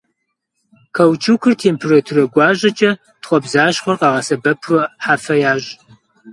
Каучукыр температурэ гуащӏэкӏэ тхъуэбзащхъуэр къагъэсэбэпурэ хьэфэ ящӏ.